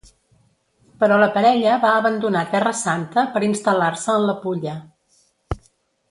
Però la parella va abandonar Terra Santa per instal·lar-se en la Pulla.